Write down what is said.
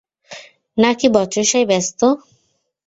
নাকি বচসায় ব্যস্ত?